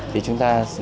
thì chúng ta